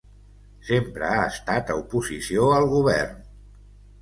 Sempre ha estat a oposició al govern.